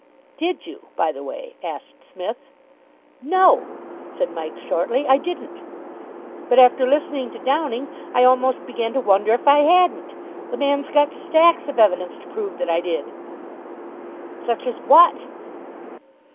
"Did you, by the way?" asked Psmith. "No," said Mike shortly, "I didn't. But after listening to Downing I almost began to wonder if I hadn't. The man's got stacks of evidence to prove that I did." "Such as what?"